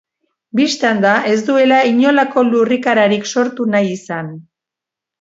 Bistan da, ez duela inolako lurrikararik sortu nahi izan.